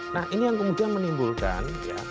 nah ini yang kemudian menimbulkan